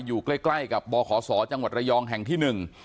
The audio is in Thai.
อยู่ใกล้กับบขจังหวัดรายองแห่งที่๑